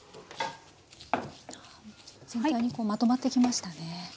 全体にこうまとまってきましたね。